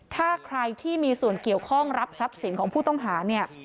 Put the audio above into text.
ถ้าใครที่มีส่วนเกี่ยวข้องรับทรัพย์สินของผู้ต้องหาเนี่ย